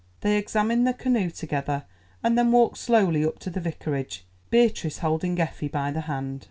They examined the canoe together, and then walked slowly up to the Vicarage, Beatrice holding Effie by the hand.